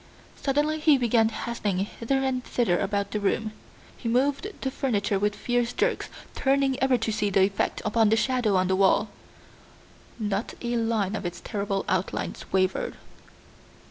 Suddenly he began hastening hither and thither about the room. He moved the furniture with fierce jerks, turning ever to see the effect upon the shadow on the wall. Not a line of its terrible outlines wavered.